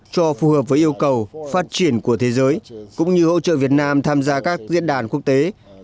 cho phù hợp với yêu cầu phát triển của thế giới cũng như hỗ trợ việt nam tham gia các diễn đàn quốc tế